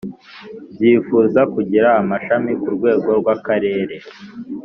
byifuza kugira amashami ku rwego rw Akarere